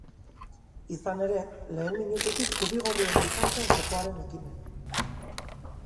Izan ere, lehen minututik zuri-gorriena izan zen jokoaren ekimena.